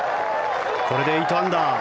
これで８アンダー。